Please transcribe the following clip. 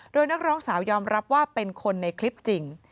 โดยนักร้องสาวยอมรับว่าเป็นคนในคลิปจริง